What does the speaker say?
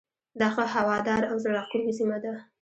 دا ښه هواداره او زړه راکښونکې سیمه ده.